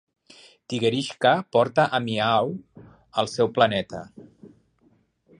Tigerishka porta a Miaow al seu planeta.